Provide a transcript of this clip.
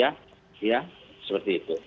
ya ya seperti itu